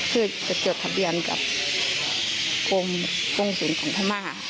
เพื่อจะเกิดทะเบียนกับกรงศูนย์ของธรรมนา